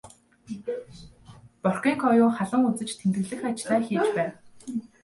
Боркенкою халуун үзэж тэмдэглэх ажлаа хийж байв.